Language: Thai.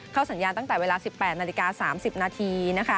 สัญญาณตั้งแต่เวลา๑๘นาฬิกา๓๐นาที